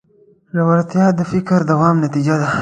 ژورتیا د فکر د دوام نتیجه ده.